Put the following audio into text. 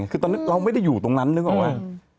คือตอนนั้นเราไม่ได้อยู่ตรงนั้นนึกออกไหม